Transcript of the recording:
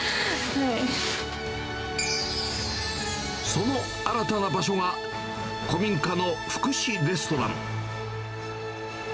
その新たな場所が、古民家の福祉レストラン。